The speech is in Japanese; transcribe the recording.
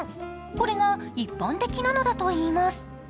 これが一般的なのだといいます。